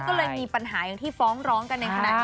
ก็เลยมีปัญหาอย่างที่ฟ้องร้องกันในขณะนี้